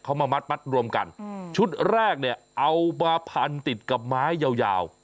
เขามามัดรวมกันชุดแรกเนี่ยเอามาพันติดกับไม้ยาวยาว